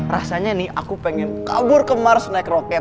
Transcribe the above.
rasanya nih aku pengen kabur ke mars naik roket